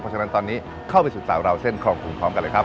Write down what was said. เพราะฉะนั้นตอนนี้เข้าไปสู่สาวเราเส้นครองคุณพร้อมกันเลยครับ